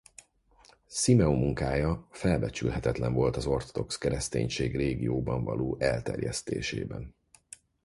Szimeon munkája felbecsülhetetlen volt az ortodox kereszténység régióban való elterjesztésében.